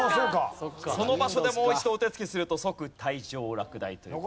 その場所でもう一度お手つきすると即退場落第という。